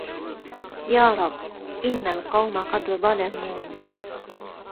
يا رب إن القوم قد ظلموني